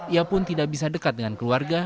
ia pun tidak bisa dekat dengan keluarga